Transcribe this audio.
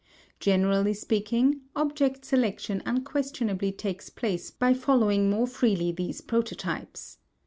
Generally speaking object selection unquestionably takes place by following more freely these prototypes.